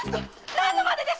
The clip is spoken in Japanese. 何のまねです？